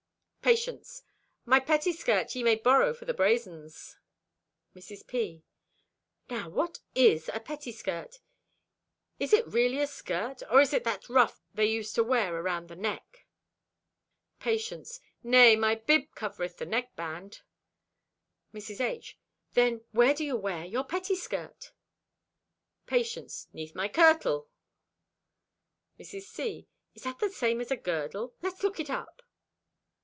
Patience.—"My pettieskirt ye may borrow for the brazens." Mrs. P.—"Now, what is a pettieskirt? Is it really a skirt or is it that ruff they used to wear around the neck?" Patience.—"Nay, my bib covereth the neckband." Mrs. H.—"Then, where do you wear your pettieskirt?" Patience.—"'Neath my kirtle." Mrs. C.—"Is that the same as girdle? Let's look it up."